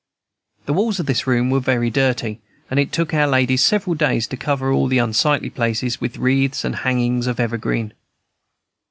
The walls of this room were very dirty, and it took our ladies several days to cover all the unsightly places with wreaths and hangings of evergreen.